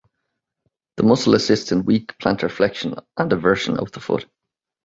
The muscle assists in weak plantarflexion and eversion of the foot.